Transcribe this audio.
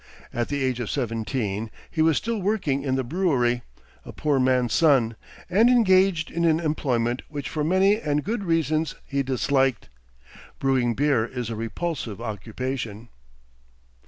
At the age of seventeen, he was still working in the brewery, a poor man's son, and engaged in an employment which for many and good reasons he disliked. Brewing beer is a repulsive occupation.